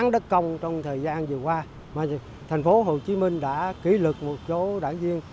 đất công trong thời gian vừa qua mà thành phố hồ chí minh đã kỷ lực một số đảng viên